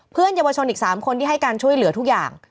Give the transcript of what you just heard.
เพื่อนเยาวชนอีก๓คนที่ให้การช่วยเหลือทุกอย่าง